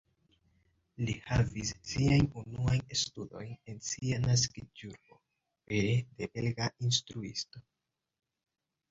Li havis siajn unuajn studojn en sia naskiĝurbo, pere de belga instruisto.